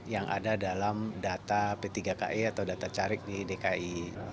yang ada dalam data p tiga ki atau data carik di dki